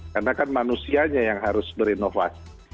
karena kan manusianya yang harus berinovasi